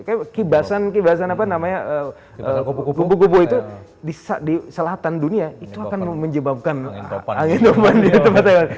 kayaknya kibasan kubu kubu itu di selatan dunia itu akan menyebabkan angin topan